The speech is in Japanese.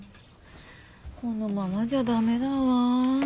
このままじゃダメだわ。